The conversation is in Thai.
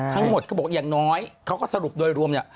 ทั้งหมดเขาบอกอย่างน้อยเขาก็สรุปโดยรวม